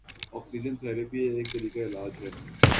oxygen therapy ایک طریقہ علاج ہے